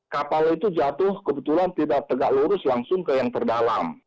kapal itu jatuh kebetulan tidak tegak lurus langsung ke yang terdalam